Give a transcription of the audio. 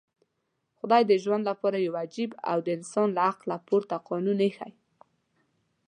خدای د ژوند لپاره يو عجيب او د انسان له عقله پورته قانون ايښی.